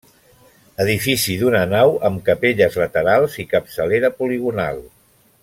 Edifici d'una nau amb capelles laterals i capçalera poligonal.